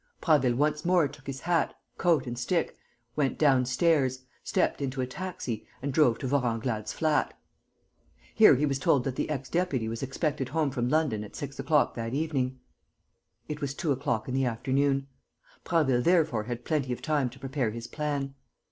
Prasville once more took his hat, coat and stick, went downstairs, stepped into a taxi and drove to Vorenglade's flat. Here he was told that the ex deputy was expected home from London at six o'clock that evening. It was two o'clock in the afternoon. Prasville therefore had plenty of time to prepare his plan.